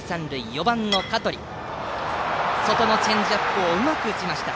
４番の香取が外のチェンジアップをうまく打ちました。